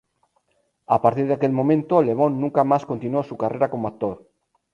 A partir de aquel momento, Le Bon nunca más continuó su carrera como actor.